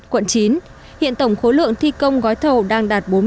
quận chín hiện tổng khối lượng thi công gói thầu đang đạt bốn mươi